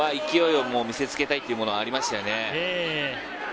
勢いを見せつけたいというのがありましたね。